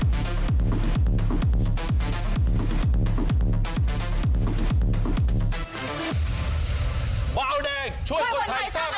สิ่งว่าก่อนพูดช่วงดีจริง